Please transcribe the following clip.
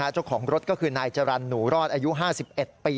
เจ้าของรถก็คือนายจรรย์หนูรอดอายุ๕๑ปี